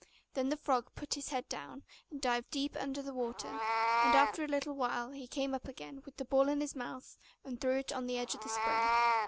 Then the frog put his head down, and dived deep under the water; and after a little while he came up again, with the ball in his mouth, and threw it on the edge of the spring.